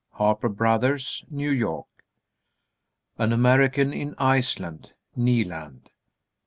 Harper Bros., New York. "An American in Iceland," Kneeland.